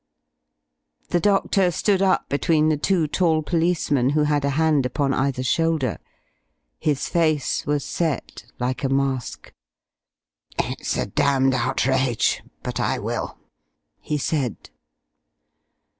The doctor stood up between the two tall policemen who had a hand upon either shoulder. His face was set like a mask. "It's a damned outrage, but I will," he said.